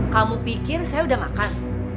kamu pikir saya udah makan